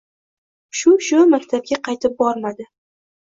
Shu-shu maktabga qaytib bormadi